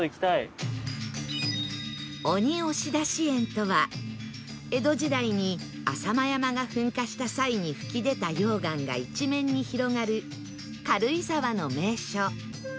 鬼押出し園とは江戸時代に浅間山が噴火した際に噴き出た溶岩が一面に広がる軽井沢の名所